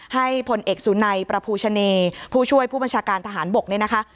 ให้พลเอกสุนัยประภูชะเนผู้ช่วยผู้บัญชาการทหารบกเนี่ยนะคะ